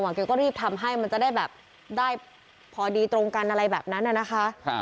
แกก็รีบทำให้มันจะได้แบบได้พอดีตรงกันอะไรแบบนั้นนะคะ